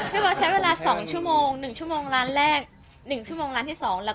ขอบคุณครับ